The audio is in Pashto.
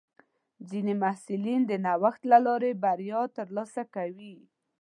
ځینې محصلین د نوښت له لارې بریا ترلاسه کوي.